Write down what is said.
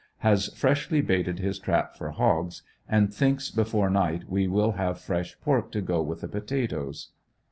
Has freshly baited his trap for hogs and thinks before night we will have fresh pork to go with the potatoes.